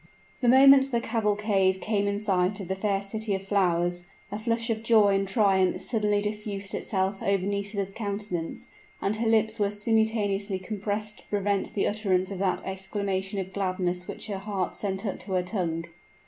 The moment the cavalcade came in sight of the fair City of Flowers, a flush of joy and triumph suddenly diffused itself over Nisida's countenance; and her lips were simultaneously compressed to prevent the utterance of that exclamation of gladness which her heart sent up to her tongue.